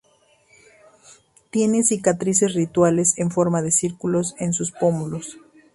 Tiene cicatrices rituales en forma de círculos en sus pómulos.